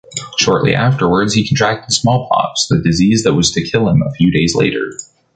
Shortly afterwards he contracted smallpox, the disease that was to kill him a few days later.